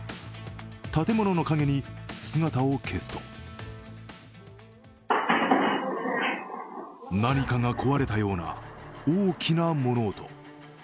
建物の影に姿を消すと何かが壊れたような大きな物音。